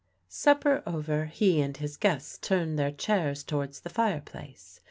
Supper over, he and his guests turned their chairs towards the fireplace.